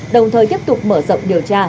đồng thời tiếp tục mở rộng điều tra